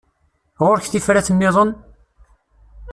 Ɣur-k tifrat-nniḍen?